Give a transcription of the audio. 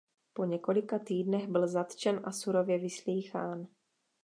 Po několika týdnech byl zatčen a surově vyslýchán.